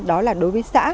đó là đối với xã